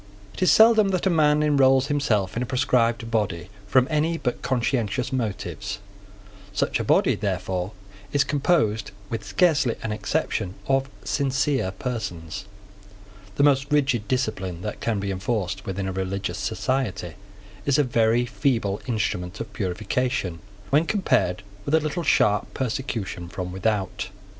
It is seldom that a man enrolls himself in a proscribed body from any but conscientious motives. Such a body, therefore, is composed, with scarcely an exception, of sincere persons. The most rigid discipline that can be enforced within a religious society is a very feeble instrument of purification, when compared with a little sharp persecution from without.